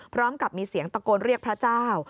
พร้อมกับมีเสียงตะโกนเรียกพระเจ้า